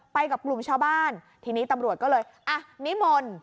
ไปกับกลุ่มชาวบ้านทีนี้ตำรวจก็เลย